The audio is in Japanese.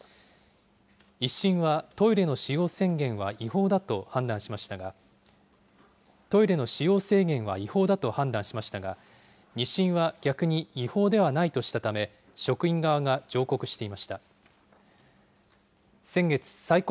１審は、トイレの使用制限は違法だと判断しましたが、トイレの使用制限は違法だと判断しましたが、２審は逆に違法ではないとしたため、職員側が上告していました。